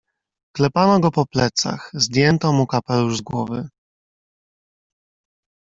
"Klepano go po plecach, zdjęto mu kapelusz z głowy."